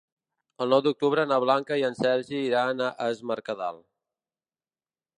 El nou d'octubre na Blanca i en Sergi iran a Es Mercadal.